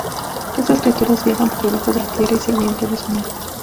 Estas criaturas viajan por debajo de la tierra y se guían por el sonido.